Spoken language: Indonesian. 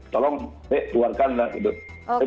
tolong eh keluarkan lah gitu